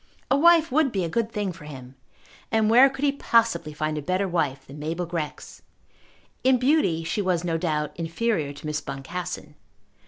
A wife would be a good thing for him; and where could he possibly find a better wife than Mabel Grex? In beauty she was no doubt inferior to Miss Boncassen.